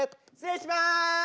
失礼します！